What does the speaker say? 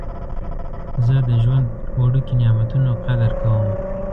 زه د ژوند وړوکي نعمتونه قدر کوم.